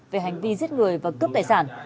về hành vi giết người và cướp tài sản